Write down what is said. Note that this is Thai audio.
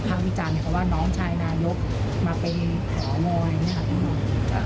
ภาควิจารณ์เพราะว่าน้องชายนายกมาเป็นหอมอยนี่ค่ะ